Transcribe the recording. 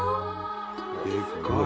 でっかい！